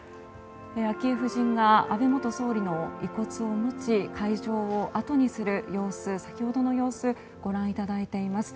昭恵夫人が安倍元総理の遺骨を持ち会場を後にする様子先ほどの様子をご覧いただいています。